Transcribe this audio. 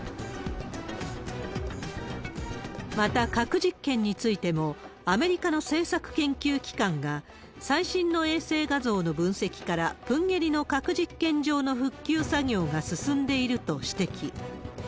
また、核実験についても、アメリカの政策研究機関が、最新の衛星画像の分析から、プンゲリの核実験場の復旧作業が進んでいると指摘。